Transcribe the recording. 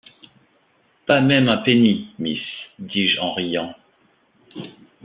Pas même un penny, miss, dis-je en riant.